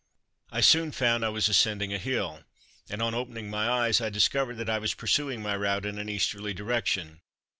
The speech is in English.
"I soon found I was ascending a hill, and on opening my eyes I discovered that I was pursuing my route in an easterly direction.